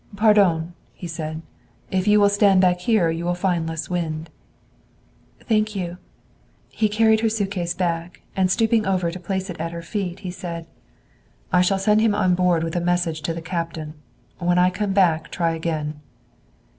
"Pardon," he said. "If you will stand back here you will find less wind." "Thank you." He carried her suitcase back, and stooping over to place it at her feet he said: "I shall send him on board with a message to the captain. When I come back try again."